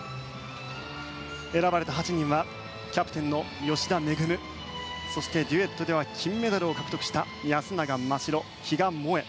選ばれた８人はキャプテンの吉田萌そして、デュエットでは金メダルを獲得した安永真白比嘉もえ